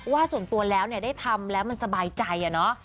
ว่าส่วนตัวแล้วเนี่ยได้ทำแล้วมันสบายใจอะเนาะ